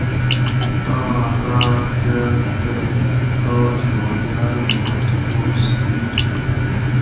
تاہ راۤت کاۤ تئ کاچ ہو یاۤر ما تپوس کِیر